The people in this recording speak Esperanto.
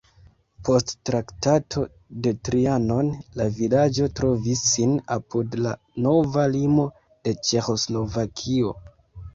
Post Traktato de Trianon la vilaĝo trovis sin apud la nova limo de Ĉeĥoslovakio.